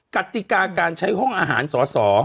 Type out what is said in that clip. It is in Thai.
กติกาการใช้ห้องอาหารสอสอ